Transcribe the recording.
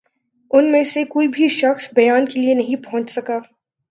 ان میں سے کوئی بھِی شخص بیان کے لیے نہیں پہنچ سکا